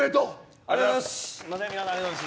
ありがとうございます。